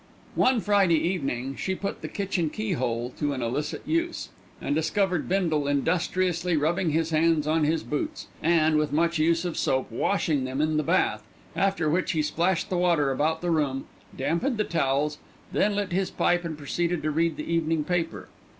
One Friday evening she put the kitchen keyhole to an illicit use, and discovered Bindle industriously rubbing his hands on his boots, and, with much use of soap, washing them in the bath, after which he splashed the water about the room, damped the towels, then lit his pipe and proceeded to read the evening paper.